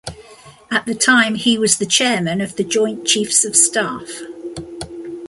At the time he was the Chairman of the Joint Chiefs of Staff.